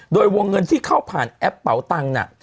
โดยวงเงินที่เข้าผ่านแอปเป๋าตังค์น่ะ